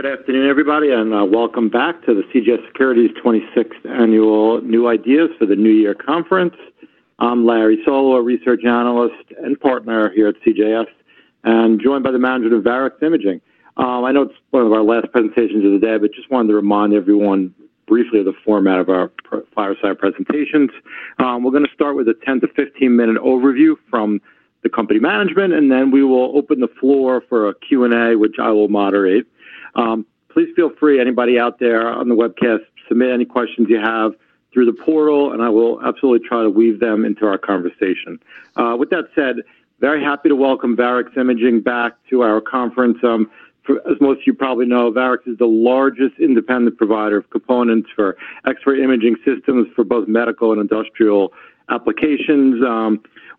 Good afternoon, everybody, and welcome back to the CJS Securities' 26th Annual New Ideas for the New Year Conference. I'm Larry Solow, a research analyst and partner here at CJS, and joined by the management of Varex Imaging. I know it's one of our last presentations of the day, but just wanted to remind everyone briefly of the format of our fireside presentations. We're going to start with a 10-15-minute overview from the company management, and then we will open the floor for a Q&A, which I will moderate. Please feel free, anybody out there on the webcast, submit any questions you have through the portal, and I will absolutely try to weave them into our conversation. With that said, very happy to welcome Varex Imaging back to our conference. As most of you probably know, Varex is the largest independent provider of components for X-ray imaging systems for both medical and industrial applications,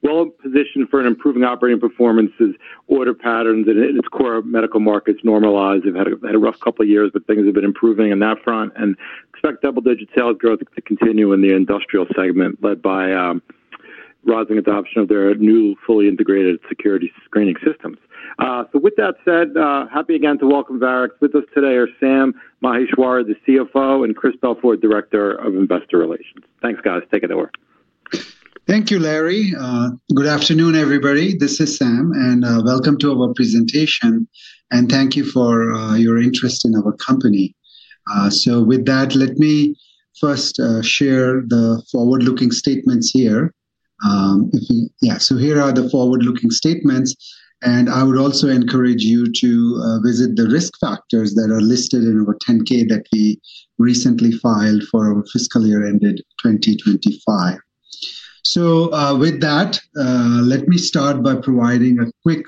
well positioned for an improving operating performance as order patterns and its core medical markets normalize. They've had a rough couple of years, but things have been improving on that front, and expect double-digit sales growth to continue in the industrial segment led by rising adoption of their new fully integrated security screening systems. So with that said, happy again to welcome Varex with us today are Sam Maheshwari, the CFO, and Chris Belfiore, Director of Investor Relations. Thanks, guys. Take it over. Thank you, Larry. Good afternoon, everybody. This is Sam, and welcome to our presentation, and thank you for your interest in our company. With that, let me first share the forward-looking statements here. Yeah, so here are the forward-looking statements, and I would also encourage you to visit the risk factors that are listed in our 10-K that we recently filed for our fiscal year ended 2025. With that, let me start by providing a quick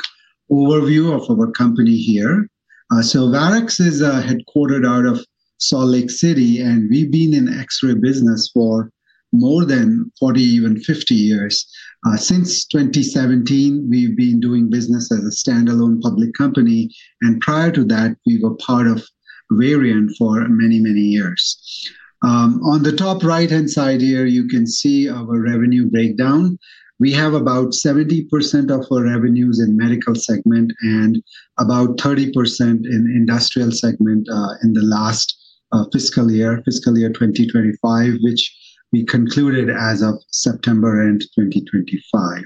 overview of our company here. Varex is headquartered out of Salt Lake City, and we've been in X-ray business for more than 40 years, even 50 years. Since 2017, we've been doing business as a standalone public company, and prior to that, we were part of Varian for many, many years. On the top right-hand side here, you can see our revenue breakdown. We have about 70% of our revenues in the medical segment and about 30% in the industrial segment in the last fiscal year, fiscal year 2025, which we concluded as of September end 2025.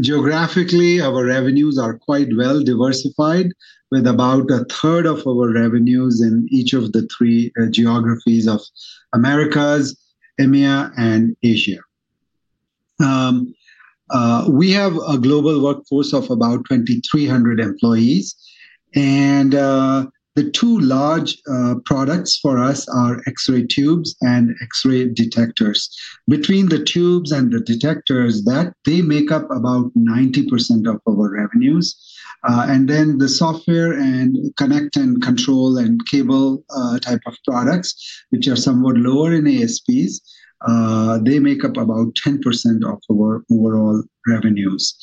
Geographically, our revenues are quite well diversified, with about a third of our revenues in each of the three geographies of Americas, EMEA, and Asia. We have a global workforce of about 2,300 employees, and the two large products for us are X-ray tubes and X-ray detectors. Between the tubes and the detectors, they make up about 90% of our revenues, and then the software and connect and control and cable type of products, which are somewhat lower in ASPs, they make up about 10% of our overall revenues.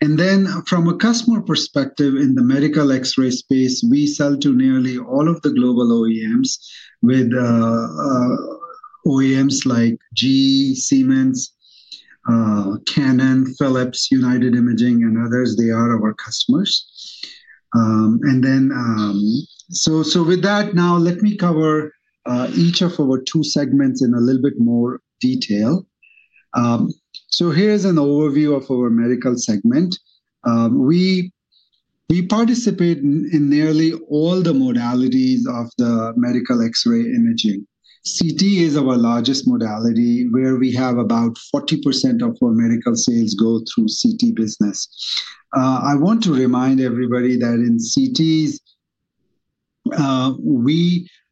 And then from a customer perspective, in the medical X-ray space, we sell to nearly all of the global OEMs, with OEMs like GE, Siemens, Canon, Philips, United Imaging, and others. They are our customers. And then so with that, now let me cover each of our two segments in a little bit more detail. So here's an overview of our medical segment. We participate in nearly all the modalities of the medical X-ray imaging. CT is our largest modality, where we have about 40% of our medical sales go through CT business. I want to remind everybody that in CTs,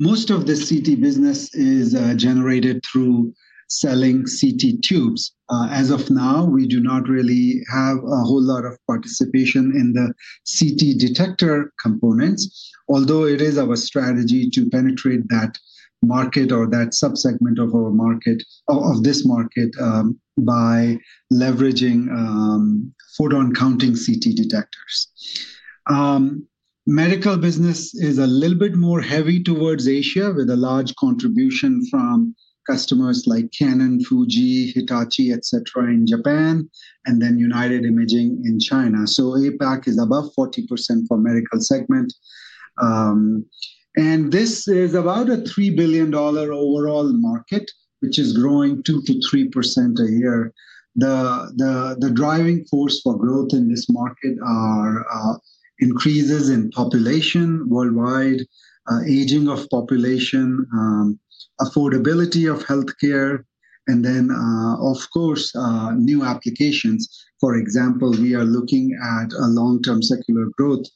most of the CT business is generated through selling CT tubes. As of now, we do not really have a whole lot of participation in the CT detector components, although it is our strategy to penetrate that market or that subsegment of our market, of this market, by leveraging photon-counting CT detectors. Medical business is a little bit more heavy towards Asia, with a large contribution from customers like Canon, Fuji, Hitachi, etc., in Japan, and then United Imaging in China, so APAC is above 40% for medical segment, and this is about a $3 billion overall market, which is growing 2%-3% a year. The driving force for growth in this market are increases in population worldwide, aging of population, affordability of healthcare, and then, of course, new applications. For example, we are looking at a long-term secular growth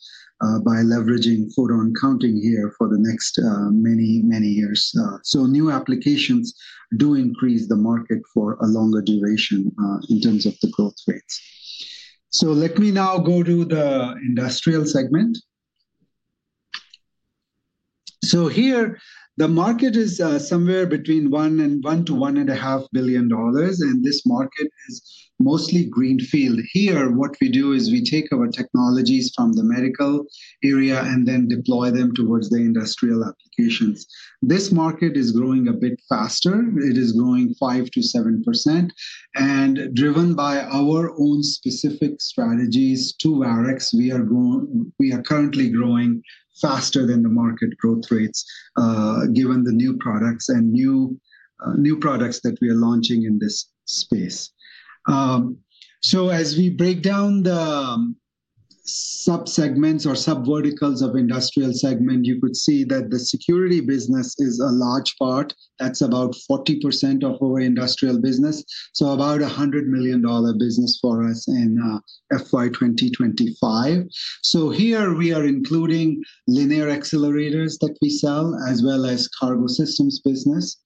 by leveraging photon-counting here for the next many, many years. New applications do increase the market for a longer duration in terms of the growth rates. Let me now go to the industrial segment. Here, the market is somewhere between $1-$1.5 billion, and this market is mostly greenfield. Here, what we do is we take our technologies from the medical area and then deploy them towards the industrial applications. This market is growing a bit faster. It is growing 5%-7%, and driven by our own specific strategies to Varex, we are currently growing faster than the market growth rates, given the new products that we are launching in this space. As we break down the subsegments or subverticals of the industrial segment, you could see that the security business is a large part. That's about 40% of our industrial business, so about a $100 million business for us in FY2025. So here, we are including linear accelerators that we sell, as well as cargo systems business.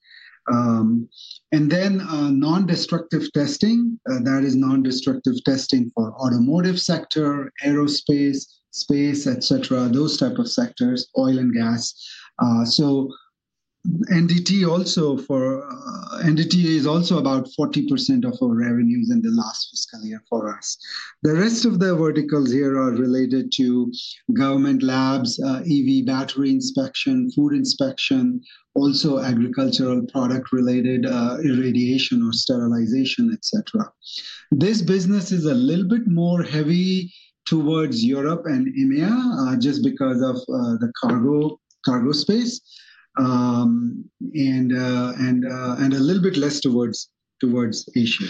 And then non-destructive testing, that is non-destructive testing for the automotive sector, aerospace, space, etc., those types of sectors, oil and gas. So NDT also for NDT is also about 40% of our revenues in the last fiscal year for us. The rest of the verticals here are related to government labs, EV battery inspection, food inspection, also agricultural product-related irradiation or sterilization, etc. This business is a little bit more heavy towards Europe and EMEA just because of the cargo space and a little bit less towards Asia.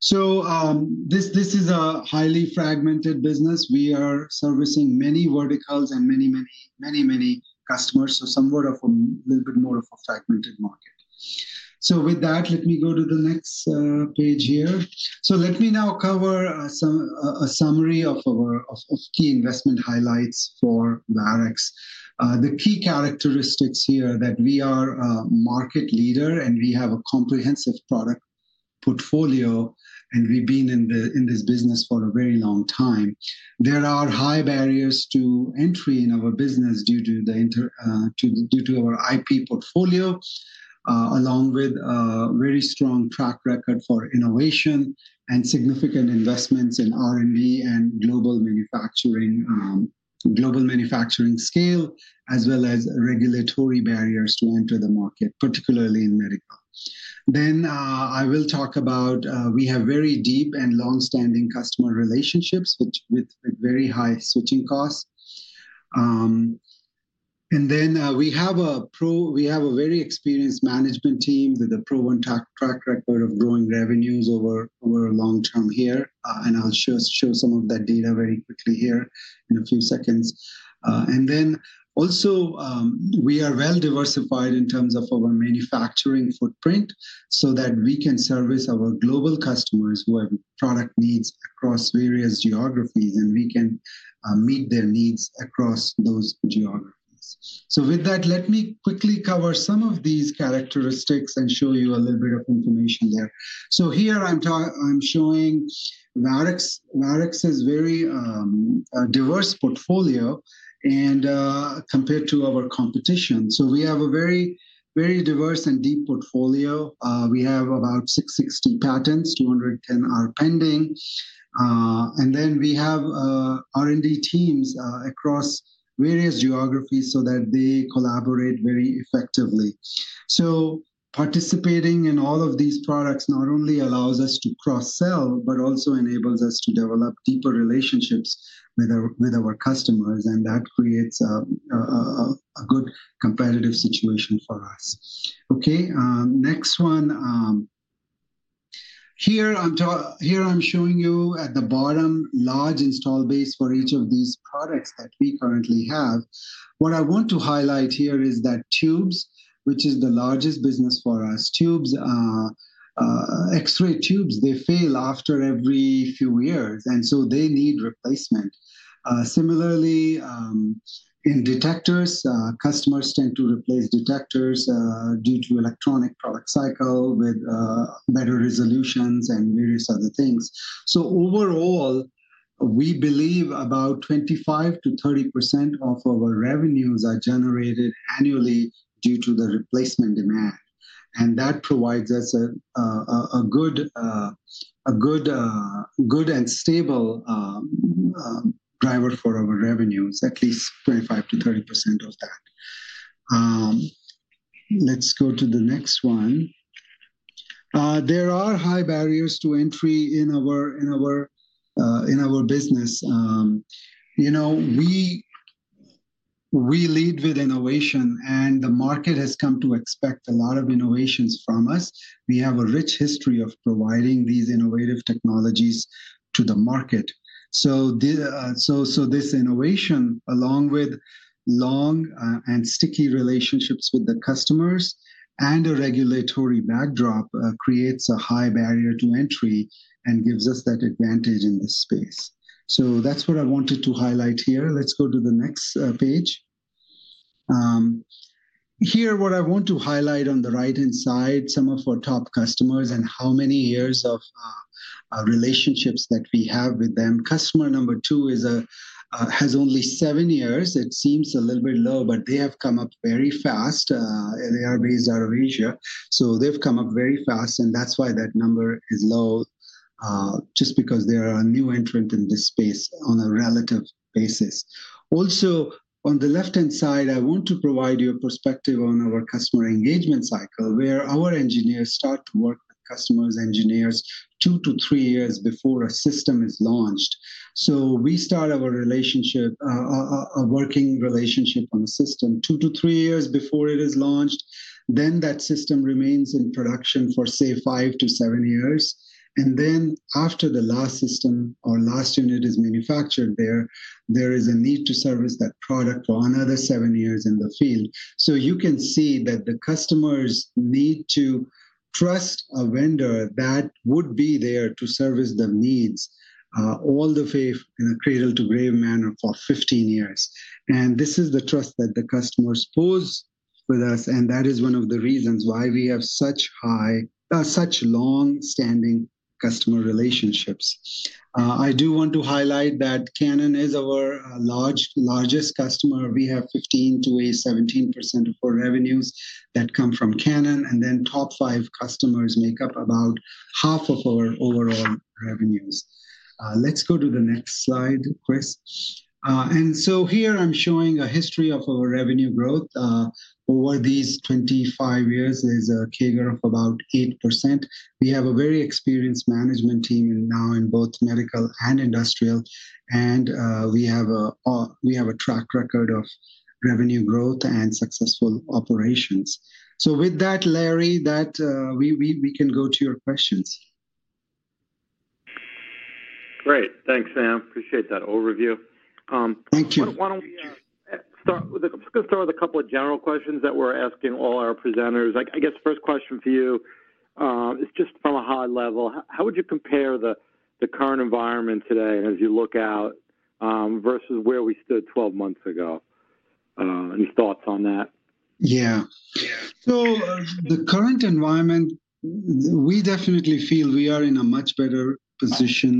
So this is a highly fragmented business. We are servicing many verticals and many, many, many, many customers, so somewhat of a little bit more of a fragmented market. So with that, let me go to the next page here. So let me now cover a summary of key investment highlights for Varex. The key characteristics here that we are a market leader and we have a comprehensive product portfolio, and we've been in this business for a very long time. There are high barriers to entry in our business due to our IP portfolio, along with a very strong track record for innovation and significant investments in R&D and global manufacturing scale, as well as regulatory barriers to enter the market, particularly in medical. Then I will talk about we have very deep and long-standing customer relationships with very high switching costs. Then we have a very experienced management team with a proven track record of growing revenues over a long term here, and I'll show some of that data very quickly here in a few seconds. Then also, we are well diversified in terms of our manufacturing footprint so that we can service our global customers who have product needs across various geographies, and we can meet their needs across those geographies. With that, let me quickly cover some of these characteristics and show you a little bit of information there. Here I'm showing Varex's very diverse portfolio compared to our competition. We have a very diverse and deep portfolio. We have about 660 patents, 210 are pending, and then we have R&D teams across various geographies so that they collaborate very effectively. So participating in all dof these products not only allows us to cross-sell, but also enables us to develop deeper relationships with our customers, and that creates a good competitive situation for us. Okay, next one. Here I'm showing you at the bottom large install base for each of these products that we currently have. What I want to highlight here is that tubes, which is the largest business for us, X-ray tubes, they fail after every few years, and so they need replacement. Similarly, in detectors, customers tend to replace detectors due to electronic product cycle with better resolutions and various other things. So overall, we believe about 25%-30% of our revenues are generated annually due to the replacement demand, and that provides us a good and stable driver for our revenues, at least 25%-30% of that. Let's go to the next one. There are high barriers to entry in our business. We lead with innovation, and the market has come to expect a lot of innovations from us. We have a rich history of providing these innovative technologies to the market. So this innovation, along with long and sticky relationships with the customers and a regulatory backdrop, creates a high barrier to entry and gives us that advantage in this space. So that's what I wanted to highlight here. Let's go to the next page. Here, what I want to highlight on the right-hand side, some of our top customers and how many years of relationships that we have with them. Customer number two has only seven years. It seems a little bit low, but they have come up very fast. They are based out of Asia, so they've come up very fast, and that's why that number is low, just because they are a new entrant in this space on a relative basis. Also, on the left-hand side, I want to provide you a perspective on our customer engagement cycle, where our engineers start to work with customers' engineers two to three years before a system is launched. So we start our working relationship on a system two to three years before it is launched. Then that system remains in production for, say, five to seven years. And then after the last system or last unit is manufactured there, there is a need to service that product for another seven years in the field. You can see that the customers need to trust a vendor that would be there to service the needs all the way in a cradle-to-grave manner for 15 years. And this is the trust that the customers pose with us, and that is one of the reasons why we have such long-standing customer relationships. I do want to highlight that Canon is our largest customer. We have 15%-17% of our revenues that come from Canon, and then top five customers make up about half of our overall revenues. Let's go to the next slide, Chris. And so here I'm showing a history of our revenue growth. Over these 25 years, there's a CAGR of about 8%. We have a very experienced management team now in both medical and industrial, and we have a track record of revenue growth and successful operations. So with that, Larry, we can go to your questions. Great. Thanks, Sam. Appreciate that overview. Thank you. Why don't we start with a couple of general questions that we're asking all our presenters? I guess the first question for you is just from a high level. How would you compare the current environment today as you look out versus where we stood 12 months ago? Any thoughts on that? Yeah. So the current environment, we definitely feel we are in a much better position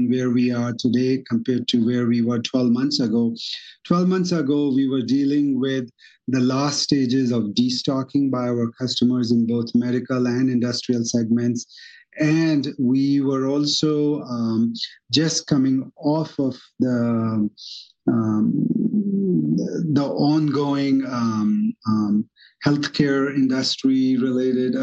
where we are today compared to where we were 12 months ago. 12 months ago, we were dealing with the last stages of destocking by our customers in both medical and industrial segments, and we were also just coming off of the ongoing healthcare industry-related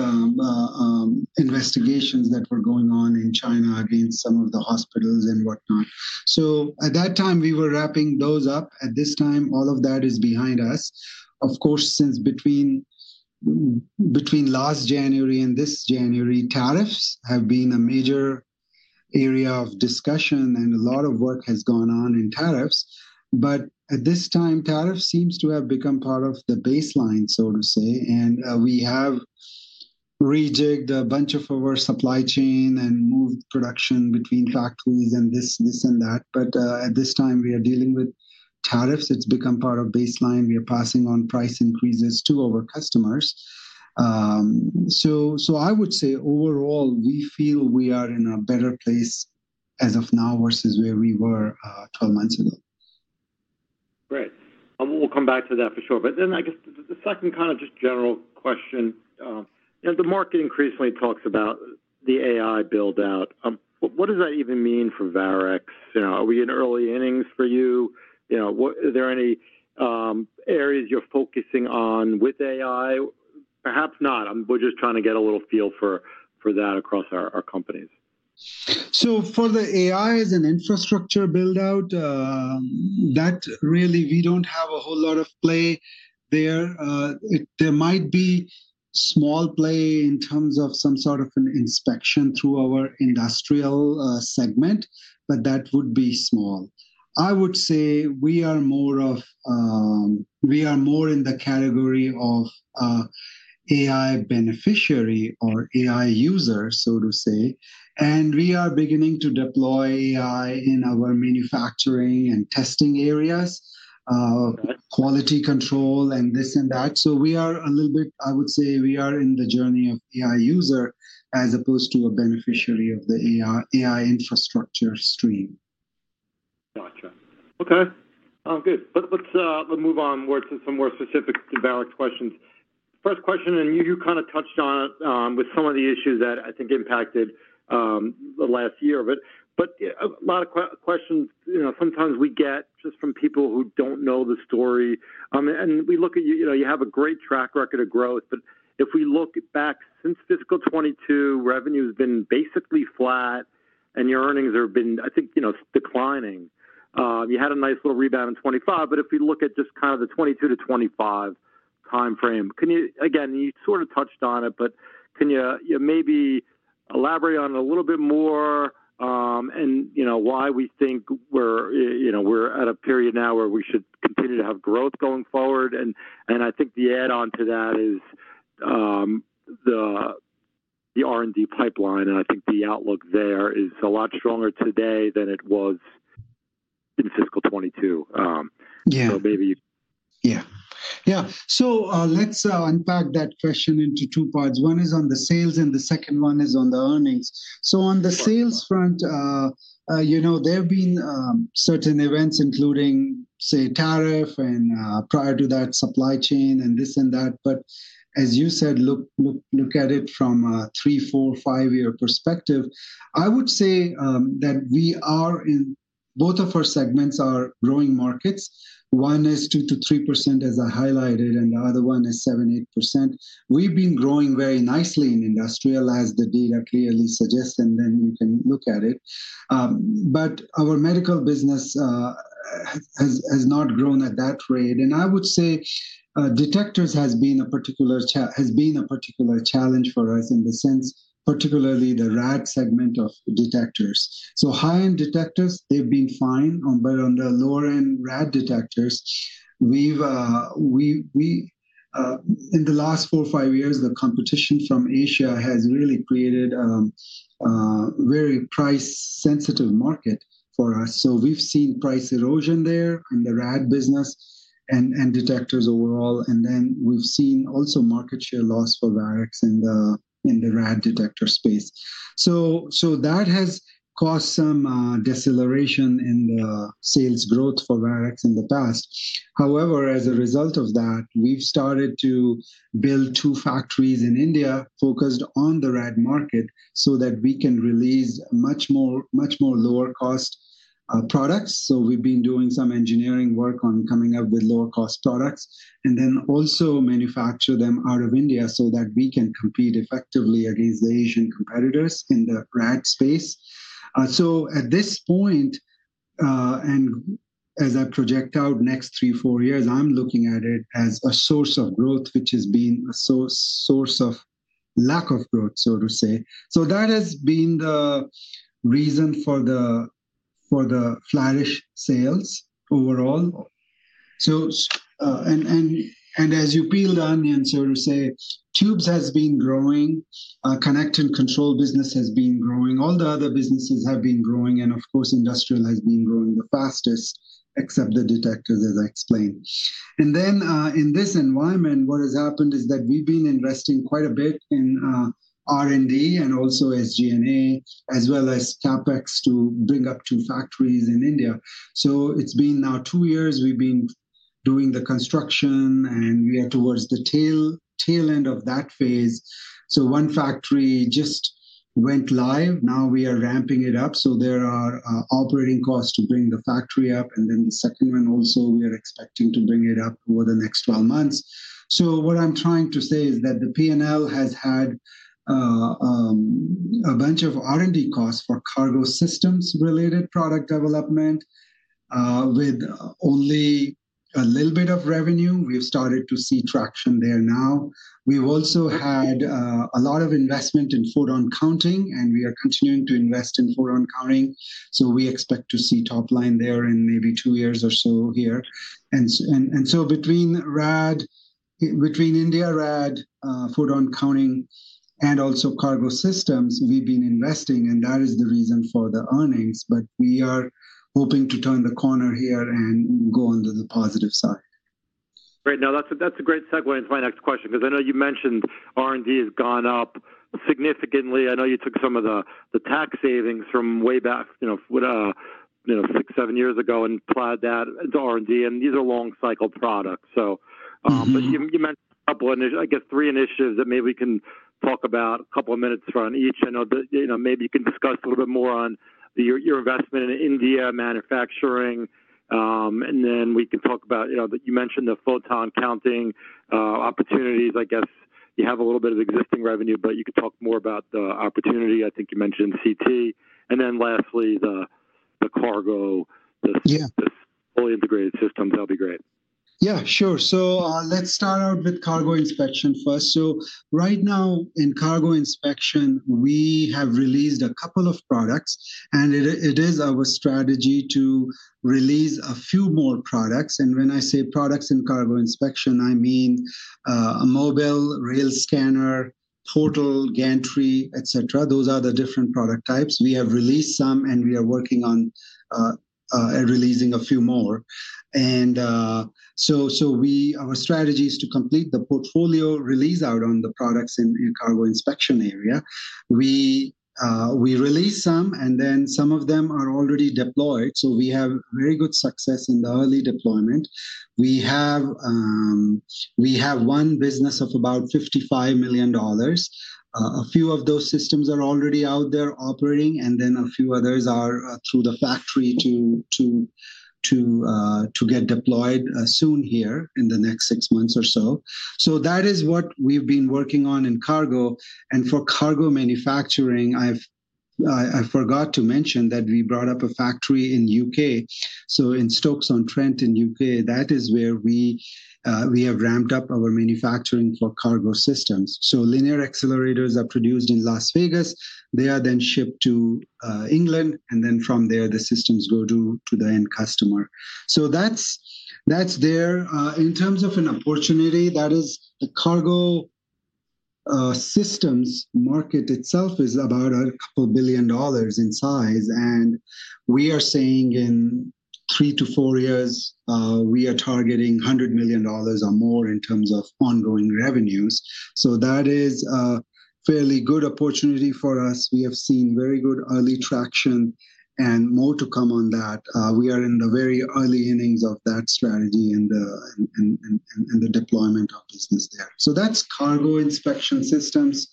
investigations that were going on in China against some of the hospitals and whatnot. So at that time, we were wrapping those up. At this time, all of that is behind us. Of course, between last January and this January, tariffs have been a major area of discussion, and a lot of work has gone on in tariffs. But at this time, tariffs seem to have become part of the baseline, so to say, and we have rejigged a bunch of our supply chain and moved production between factories and this and that. But at this time, we are dealing with tariffs. It's become part of baseline. We are passing on price increases to our customers. So I would say overall, we feel we are in a better place as of now versus where we were 12 months ago. Great. We'll come back to that for sure. But then I guess the second kind of just general question. The market increasingly talks about the AI build-out. What does that even mean for Varex? Are we in early innings for you? Are there any areas you're focusing on with AI? Perhaps not. We're just trying to get a little feel for that across our companies. So, for the AI as an infrastructure build-out, that really we don't have a whole lot of play there. There might be small play in terms of some sort of an inspection through our industrial segment, but that would be small. I would say we are more in the category of AI beneficiary or AI user, so to say, and we are beginning to deploy AI in our manufacturing and testing areas, quality control, and this and that. So we are a little bit. I would say we are in the journey of AI user as opposed to a beneficiary of the AI infrastructure stream. Gotcha. Okay. Good. Let's move onward to some more specific Varex questions. First question, and you kind of touched on it with some of the issues that I think impacted the last year, but a lot of questions sometimes we get just from people who don't know the story. We look at you have a great track record of growth, but if we look back since fiscal 2022, revenue has been basically flat, and your earnings have been, I think, declining. You had a nice little rebound in 2025, but if we look at just kind of the 2022-2025 timeframe, again, you sort of touched on it, but can you maybe elaborate on it a little bit more and why we think we're at a period now where we should continue to have growth going forward? I think the add-on to that is the R&D pipeline, and I think the outlook there is a lot stronger today than it was in fiscal 2022. Maybe. Yeah. Yeah. So let's unpack that question into two parts. One is on the sales, and the second one is on the earnings. So on the sales front, there have been certain events, including, say, tariff and prior to that, supply chain and this and that. But as you said, look at it from a three, four, five-year perspective. I would say that both of our segments are growing markets. One is 2%-3%, as I highlighted, and the other one is 7%-8%. We've been growing very nicely in industrial, as the data clearly suggests, and then you can look at it. But our medical business has not grown at that rate. And I would say detectors has been a particular challenge for us in the sense, particularly the Rad segment of detectors. So high-end detectors, they've been fine, but on the lower-end Rad detectors, in the last four, five years, the competition from Asia has really created a very price-sensitive market for us. So we've seen price erosion there in the Rad business and detectors overall, and then we've seen also market share loss for Varex in the Rad detector space. So that has caused some deceleration in the sales growth for Varex in the past. However, as a result of that, we've started to build two factories in India focused on the Rad market so that we can release much more lower-cost products. So we've been doing some engineering work on coming up with lower-cost products and then also manufacture them out of India so that we can compete effectively against the Asian competitors in the Rad space. So at this point, and as I project out next three, four years, I'm looking at it as a source of growth, which has been a source of lack of growth, so to say. So that has been the reason for the flat sales overall. And as you peel the onion, so to say, tubes has been growing. Connect and control business has been growing. All the other businesses have been growing, and of course, industrial has been growing the fastest, except the detectors, as I explained. And then in this environment, what has happened is that we've been investing quite a bit in R&D and also SG&A, as well as CapEx to bring up two factories in India. So it's been now two years we've been doing the construction, and we are towards the tail end of that phase. So one factory just went live. Now we are ramping it up. So there are operating costs to bring the factory up, and then the second one also we are expecting to bring it up over the next 12 months. So what I'm trying to say is that the P&L has had a bunch of R&D costs for cargo systems-related product development with only a little bit of revenue. We've started to see traction there now. We've also had a lot of investment in photon counting, and we are continuing to invest in photon counting. So we expect to see top line there in maybe two years or so here. And so between India Rad, photon counting, and also cargo systems, we've been investing, and that is the reason for the earnings. But we are hoping to turn the corner here and go on to the positive side. Great. Now, that's a great segue into my next question because I know you mentioned R&D has gone up significantly. I know you took some of the tax savings from way back, six, seven years ago, and applied that to R&D, and these are long-cycle products. But you mentioned a couple of, I guess, three initiatives that maybe we can talk about a couple of minutes from each. I know maybe you can discuss a little bit more on your investment in India manufacturing, and then we can talk about you mentioned the photon counting opportunities. I guess you have a little bit of existing revenue, but you could talk more about the opportunity. I think you mentioned CT. And then lastly, the cargo, the fully integrated systems, that'll be great. Yeah, sure. Let's start out with cargo inspection first. Right now in cargo inspection, we have released a couple of products, and it is our strategy to release a few more products. When I say products in cargo inspection, I mean a mobile rail scanner, portal, gantry, etc. Those are the different product types. We have released some, and we are working on releasing a few more. Our strategy is to complete the portfolio release out on the products in cargo inspection area. We released some, and then some of them are already deployed. We have very good success in the early deployment. We have one business of about $55 million. A few of those systems are already out there operating, and then a few others are through the factory to get deployed soon here in the next six months or so. So that is what we've been working on in cargo. And for cargo manufacturing, I forgot to mention that we brought up a factory in the U.K. So in Stoke-on-Trent in the U.K., that is where we have ramped up our manufacturing for cargo systems. So linear accelerators are produced in Las Vegas. They are then shipped to England, and then from there, the systems go to the end customer. So that's there. In terms of an opportunity, that is the cargo systems market itself is about a couple of billion dollars in size, and we are saying in three-to-four years, we are targeting $100 million or more in terms of ongoing revenues. So that is a fairly good opportunity for us. We have seen very good early traction and more to come on that. We are in the very early innings of that strategy and the deployment of business there. So that's cargo inspection systems.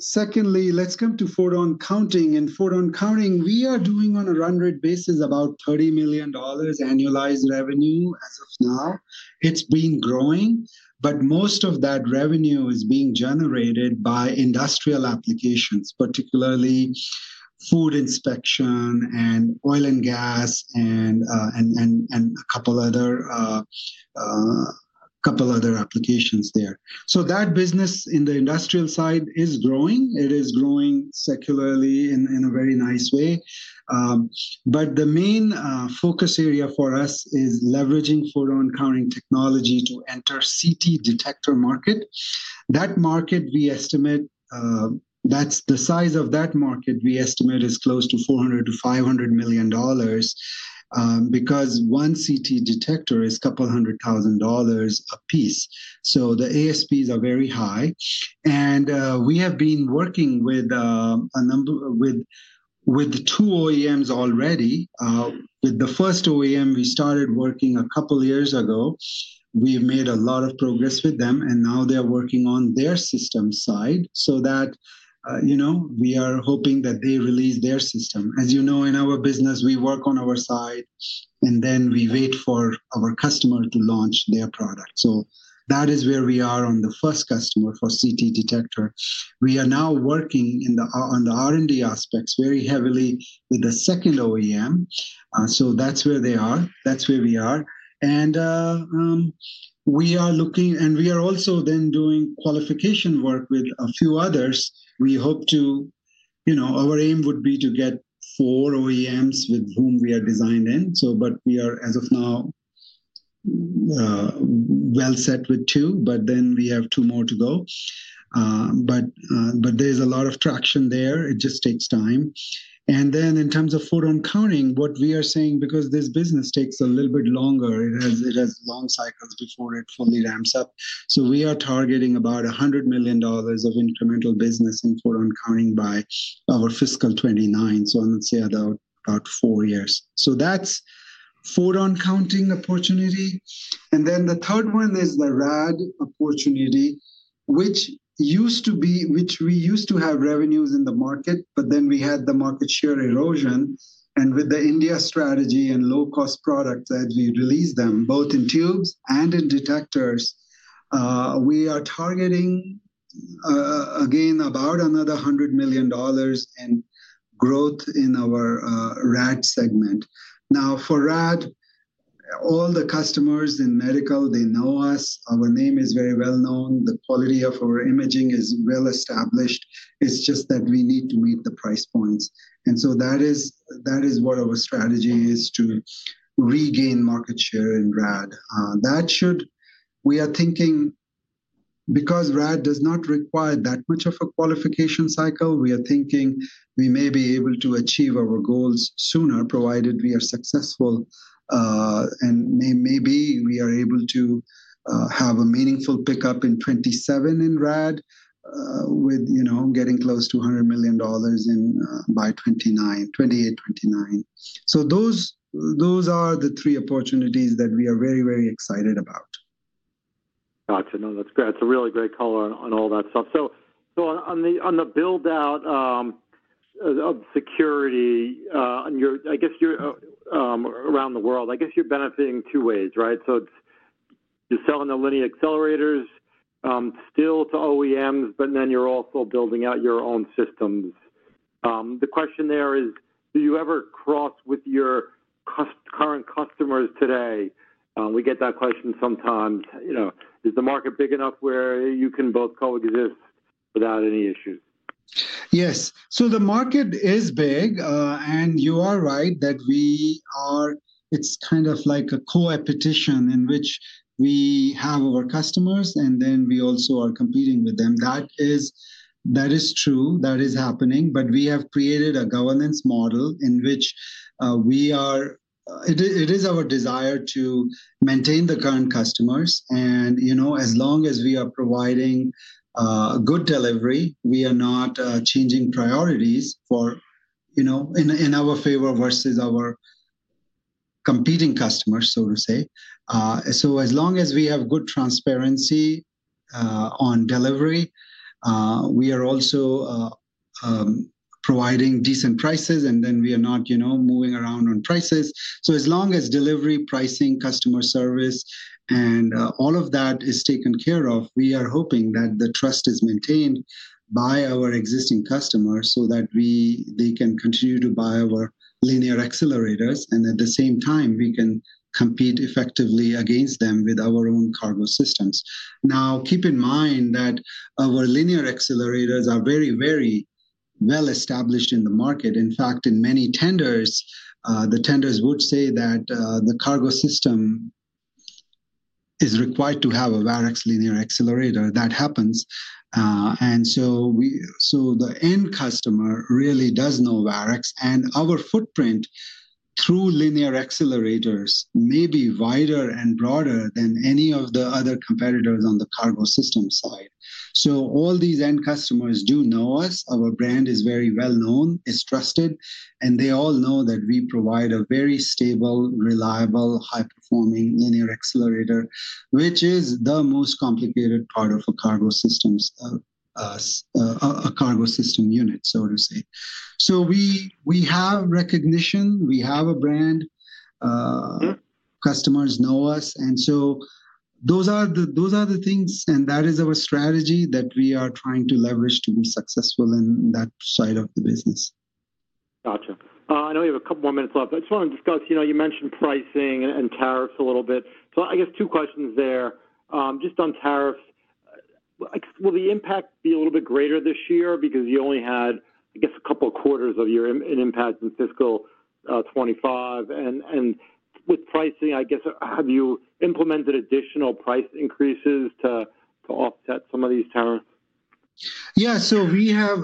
Secondly, let's come to photon counting. In photon counting, we are doing on a run rate basis about $30 million annualized revenue as of now. It's been growing, but most of that revenue is being generated by industrial applications, particularly food inspection and oil and gas and a couple of other applications there. So that business in the industrial side is growing. It is growing secularly in a very nice way. But the main focus area for us is leveraging photon counting technology to enter CT detector market. That market, we estimate that's the size of that market. We estimate it is close to $400-$500 million because one CT detector is a couple of hundred thousand dollars a piece. The ASPs are very high. We have been working with two OEMs already. With the first OEM, we started working a couple of years ago. We've made a lot of progress with them, and now they're working on their system side so that we are hoping that they release their system. As you know, in our business, we work on our side, and then we wait for our customer to launch their product. That is where we are on the first customer for CT detector. We are now working on the R&D aspects very heavily with the second OEM. That's where they are. That's where we are. We are looking, and we are also then doing qualification work with a few others. We hope to. Our aim would be to get four OEMs with whom we are designed in. But we are, as of now, well set with two, but then we have two more to go. But there's a lot of traction there. It just takes time. And then in terms of photon counting, what we are saying, because this business takes a little bit longer, it has long cycles before it fully ramps up. So we are targeting about $100 million of incremental business in photon counting by our fiscal 2029. So I would say about four years. So that's photon counting opportunity. And then the third one is the Rad opportunity, which we used to have revenues in the market, but then we had the market share erosion. And with the India strategy and low-cost products as we release them, both in tubes and in detectors, we are targeting, again, about another $100 million in growth in our Rad segment. Now, for Rad, all the customers in medical, they know us. Our name is very well known. The quality of our imaging is well established. It's just that we need to meet the price points. And so that is what our strategy is to regain market share in Rad. That said we are thinking because Rad does not require that much of a qualification cycle, we are thinking we may be able to achieve our goals sooner, provided we are successful, and maybe we are able to have a meaningful pickup in 2027 in Rad with getting close to $100 million by 2028, 2029. So those are the three opportunities that we are very, very excited about. Gotcha. No, that's great. That's a really great color on all that stuff. So on the build-out of security, I guess around the world, I guess you're benefiting two ways, right? So you're selling the linear accelerators still to OEMs, but then you're also building out your own systems. The question there is, do you ever cross with your current customers today? We get that question sometimes. Is the market big enough where you can both coexist without any issues? Yes, so the market is big, and you are right that we are, it's kind of like a co-opetition in which we have our customers, and then we also are competing with them. That is true. That is happening, but we have created a governance model in which we are, it is our desire to maintain the current customers. And as long as we are providing good delivery, we are not changing priorities in our favor versus our competing customers, so to say, so as long as we have good transparency on delivery, we are also providing decent prices, and then we are not moving around on prices. So as long as delivery, pricing, customer service, and all of that is taken care of, we are hoping that the trust is maintained by our existing customers so that they can continue to buy our linear accelerators, and at the same time, we can compete effectively against them with our own cargo systems. Now, keep in mind that our linear accelerators are very, very well established in the market. In fact, in many tenders, the tenders would say that the cargo system is required to have a Varex linear accelerator. That happens, and so the end customer really does know Varex, and our footprint through linear accelerators may be wider and broader than any of the other competitors on the cargo system side, so all these end customers do know us. Our brand is very well known, is trusted, and they all know that we provide a very stable, reliable, high-performing linear accelerator, which is the most complicated part of a cargo system unit, so to say. So we have recognition. We have a brand. Customers know us. And so those are the things, and that is our strategy that we are trying to leverage to be successful in that side of the business. Gotcha. I know we have a couple more minutes left, but I just want to discuss, you mentioned pricing and tariffs a little bit. So I guess two questions there. Just on tariffs, will the impact be a little bit greater this year because you only had, I guess, a couple of quarters of your impact in fiscal 2025? And with pricing, I guess, have you implemented additional price increases to offset some of these tariffs? Yeah. So we have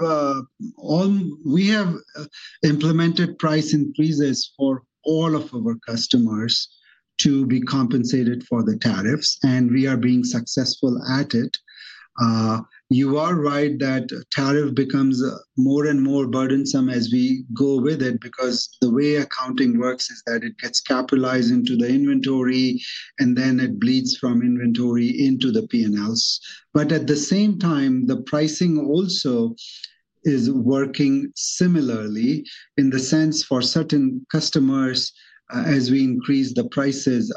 implemented price increases for all of our customers to be compensated for the tariffs, and we are being successful at it. You are right that tariff becomes more and more burdensome as we go with it because the way accounting works is that it gets capitalized into the inventory, and then it bleeds from inventory into the P&Ls. But at the same time, the pricing also is working similarly in the sense for certain customers, as we increase the prices,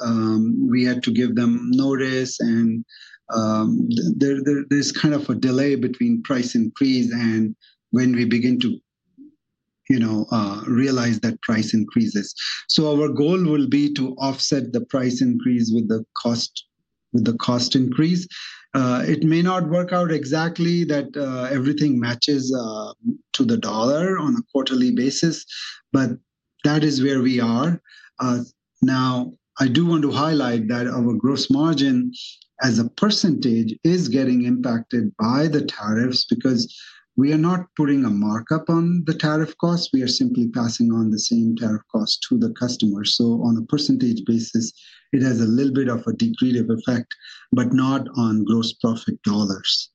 we had to give them notice, and there's kind of a delay between price increase and when we begin to realize that price increases. So our goal will be to offset the price increase with the cost increase. It may not work out exactly that everything matches to the dollar on a quarterly basis, but that is where we are. Now, I do want to highlight that our gross margin as a percentage is getting impacted by the tariffs because we are not putting a markup on the tariff cost. We are simply passing on the same tariff cost to the customer. So on a percentage basis, it has a little bit of a degree of effect, but not on gross profit dollars.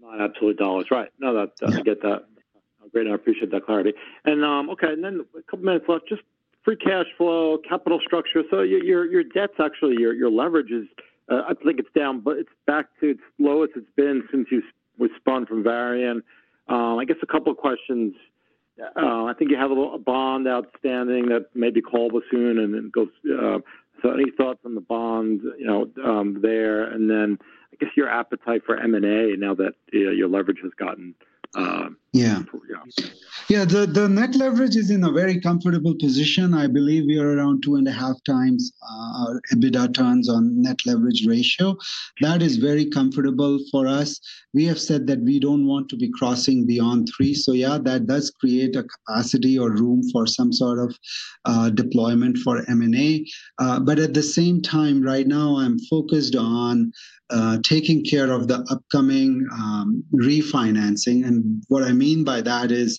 Not absolute dollars. Right. No, I get that. Great. I appreciate that clarity. And okay, and then a couple of minutes left, just free cash flow, capital structure. So your debts, actually, your leverage, I think it's down, but it's back to its lowest it's been since you spun from Varian. I guess a couple of questions. I think you have a bond outstanding that may be called soon and then goes. So any thoughts on the bond there? And then I guess your appetite for M&A now that your leverage has gotten improved. Yeah. Yeah. The net leverage is in a very comfortable position. I believe we are around two and a half times our EBITDA turns on net leverage ratio. That is very comfortable for us. We have said that we don't want to be crossing beyond three. So yeah, that does create a capacity or room for some sort of deployment for M&A. But at the same time, right now, I'm focused on taking care of the upcoming refinancing. And what I mean by that is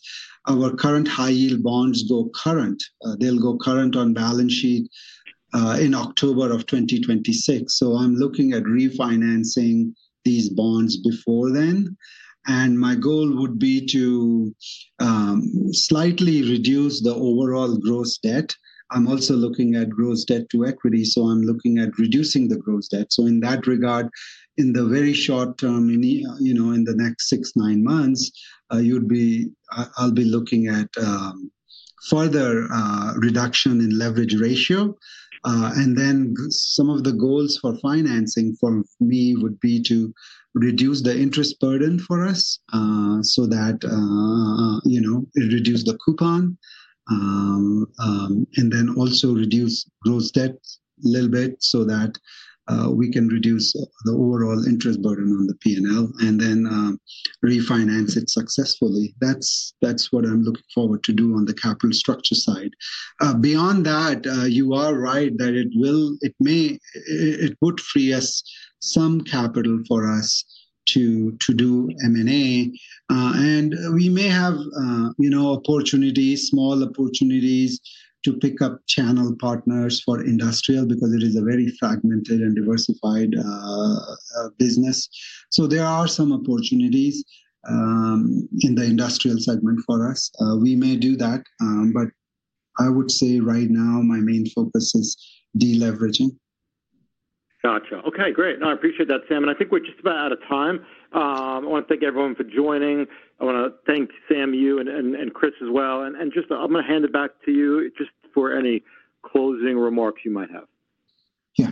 our current high-yield bonds go current. They'll go current on balance sheet in October of 2026. So I'm looking at refinancing these bonds before then. And my goal would be to slightly reduce the overall gross debt. I'm also looking at gross debt to equity. So I'm looking at reducing the gross debt. In that regard, in the very short term, in the next six, nine months, I'll be looking at further reduction in leverage ratio. And then some of the goals for financing for me would be to reduce the interest burden for us so that it reduces the coupon and then also reduce gross debt a little bit so that we can reduce the overall interest burden on the P&L and then refinance it successfully. That's what I'm looking forward to do on the capital structure side. Beyond that, you are right that it may free up some capital for us to do M&A. And we may have opportunities, small opportunities to pick up channel partners for industrial because it is a very fragmented and diversified business. So there are some opportunities in the industrial segment for us. We may do that, but I would say right now, my main focus is deleveraging. Gotcha. Okay. Great. I appreciate that, Sam. And I think we're just about out of time. I want to thank everyone for joining. I want to thank Sam, you, and Chris as well. And I'm going to hand it back to you just for any closing remarks you might have. Yeah.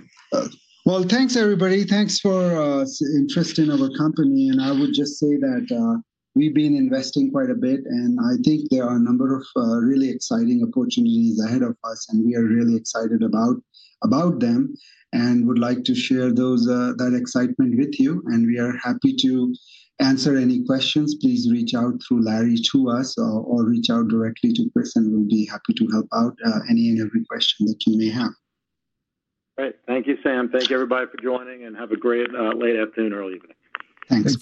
Well, thanks, everybody. Thanks for interest in our company. And I would just say that we've been investing quite a bit, and I think there are a number of really exciting opportunities ahead of us, and we are really excited about them and would like to share that excitement with you. And we are happy to answer any questions. Please reach out through Larry to us or reach out directly to Chris, and we'll be happy to help out any and every question that you may have. Great. Thank you, Sam. Thank you, everybody, for joining, and have a great late afternoon or early evening. Thanks.